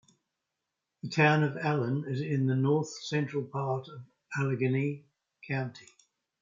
The Town of Allen is in the north-central part of Allegany County.